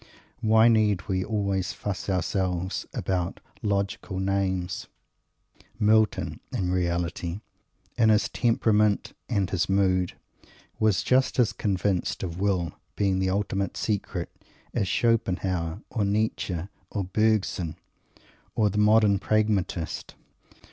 Why need we always fuss ourselves about logical names? Milton, in reality in his temperament and his mood was just as convinced of Will being the ultimate secret as Schopenhauer or Nietzsche or Bergson or the modern Pragmatist.